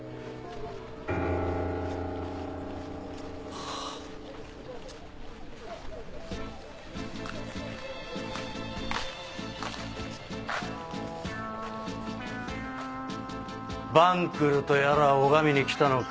はぁ晩来とやらを拝みに来たのか？